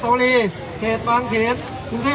พี่ให้ลงถังไปด้วย